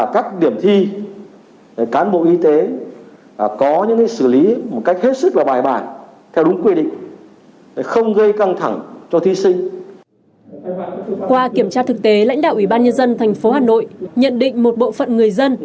qua kiểm tra thực tế lãnh đạo ủy ban nhân dân tp hà nội nhận định một bộ phận người dân